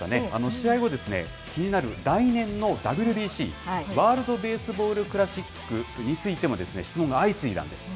試合後、気になる来年のＷＢＣ・ワールドベースボールクラシックについても、質問が相次いだんです。